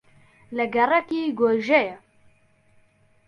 لە گەڕەکی گۆیژەیە